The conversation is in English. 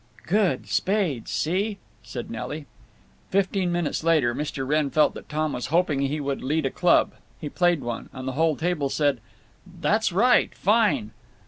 "Good! Spades—see," said Nelly. Fifteen minutes later Mr. Wrenn felt that Tom was hoping he would lead a club. He played one, and the whole table said: "That's right. Fine!"